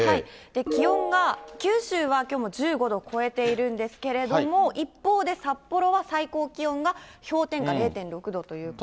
気温が九州はきょうも１５度を超えているんですけれども、一方で札幌は最高気温が氷点下０．６度ということで。